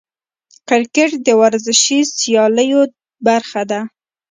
کرکټ د ورزشي سیالیو برخه ده.